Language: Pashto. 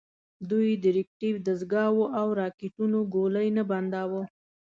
دوی د ریکتیف دستګاوو او راکېټونو ګولۍ نه بنداوه.